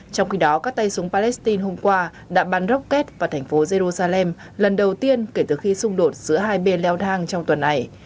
trong khi đó các tay súng palestine hôm qua đã bắn rocket vào thành phố jerusalem lần đầu tiên kể từ khi xung đột giữa hai bên leo thang trong tuần này